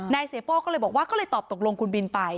เสียโป้ก็เลยบอกว่าก็เลยตอบตกลงคุณบินไป